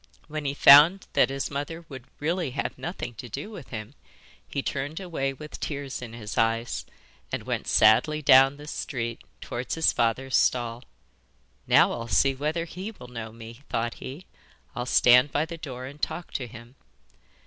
When he found that his mother would really have nothing to do with him he turned away with tears in his eyes, and went sadly down the street towards his father's stall. 'Now I'll see whether he will know me,' thought he. 'I'll stand by the door and talk to him.